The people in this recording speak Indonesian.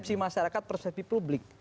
persepsi masyarakat persepsi publik